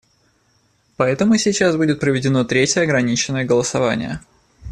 Поэтому сейчас будет проведено третье ограниченное голосование.